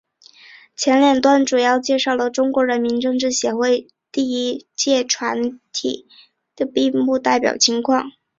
前两段简要介绍了中国人民政治协商会议第一届全体会议胜利闭幕及代表情况。